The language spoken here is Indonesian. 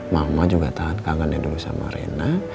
mama juga tahan kangennya dulu sama rena